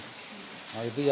tidak boleh melakukan kesungi